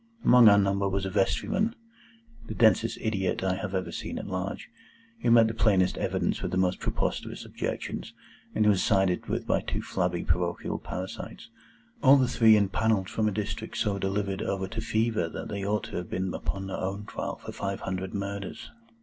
Among our number was a vestryman,—the densest idiot I have ever seen at large,—who met the plainest evidence with the most preposterous objections, and who was sided with by two flabby parochial parasites; all the three impanelled from a district so delivered over to Fever that they ought to have been upon their own trial for five hundred Murders.